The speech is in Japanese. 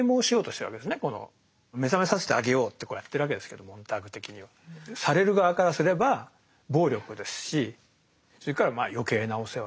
目覚めさせてあげようってこうやってるわけですけどモンターグ的にはされる側からすれば暴力ですしそれからまあ余計なお世話。